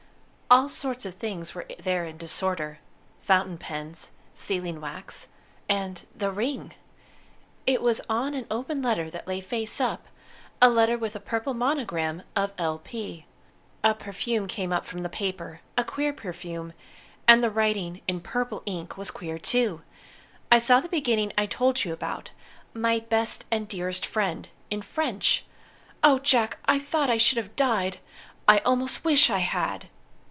All sorts of things were there in disorder fountain pens, sealing wax, and the ring! It was on an open letter that lay face up, a letter with a purple monogram of L.P. A perfume came up from the paper a queer perfume, and the writing in purple ink was queer, too. I saw the beginning I told you about: 'My Best and Dearest Friend' in French. Oh, Jack, I thought I should have died. I almost wish I had!"